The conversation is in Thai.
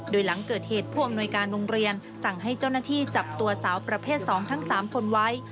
โดยหลังเกิดเหตุผู้อำนวยการโรงเรียนสั่งให้เจ้าหน้าที่จับตัวสาวประเภท๒ทั้ง๓คนไว้